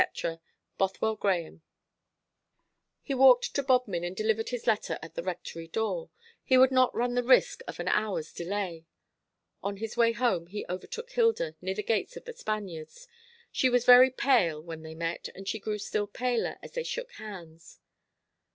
BOTHWELL GRAHAME." He walked to Bodmin and delivered his letter at the Rectory door. He would not run the risk of an hour's delay. On his way home he overtook Hilda, near the gates of The Spaniards. She was very pale when they met, and she grew still paler as they shook hands.